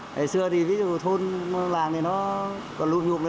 ngày xưa thì ví dụ thôn làng thì nó còn luôn nhục nữa